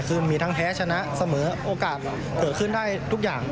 คือมีทั้งแพ้ชนะเสมอโอกาสเกิดขึ้นได้ทุกอย่าง